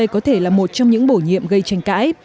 có thể là một trong những bổ nhiệm gây tranh cãi